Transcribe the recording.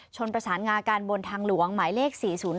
ประสานงากันบนทางหลวงหมายเลข๔๐